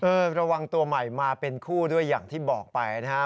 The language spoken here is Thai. ระวังตัวใหม่มาเป็นคู่ด้วยอย่างที่บอกไปนะฮะ